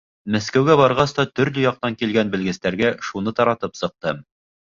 Мәскәүгә барғас та төрлө яҡтан килгән белгестәргә шуны таратып сыҡтым.